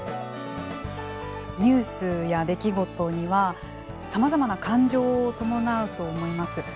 ニュースや出来事にはさまざまな感情を伴うと思います。